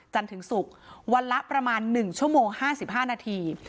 ถึงศุกร์วันละประมาณ๑ชั่วโมง๕๕นาที